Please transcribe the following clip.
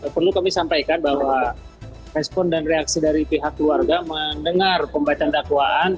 perlu kami sampaikan bahwa respon dan reaksi dari pihak keluarga mendengar pembacaan dakwaan